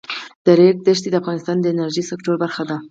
د ریګ دښتې د افغانستان د انرژۍ سکتور برخه ده.